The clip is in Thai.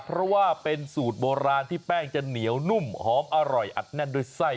เพราะว่าเป็นสูตรโบราณที่แป้งจะเหนียวนุ่มหอมอร่อยอัดแน่นด้วยไส้